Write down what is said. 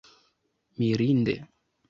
mirinde